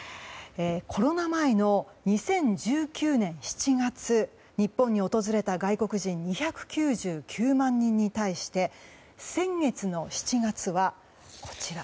コロナ前の２０１９年７月日本に訪れた外国人２９９万人に対して先月の７月は、こちら。